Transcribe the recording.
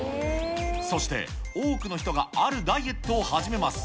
そして、多くの人が、あるダイエットを始めます。